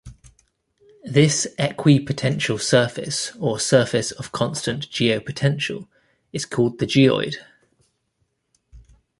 This equipotential surface, or surface of constant geopotential, is called the geoid.